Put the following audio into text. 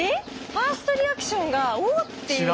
ファーストリアクションが「おっ！」っていう。